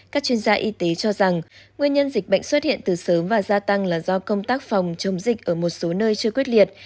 các chuyên gia y tế cho rằng nguyên nhân dịch bệnh xuất hiện từ sớm và gia tăng là do công tác phòng chống dịch ở một số nơi chưa quyết liệt